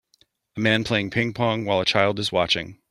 A man playing pingpong while a child is watching.